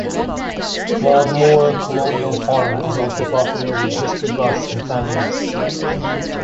Claude Moore Colonial Farm is also popular with history buffs and families.